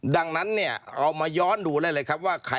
ดังนั้นเนี่ยเรามาย้อนดูได้เลยครับว่า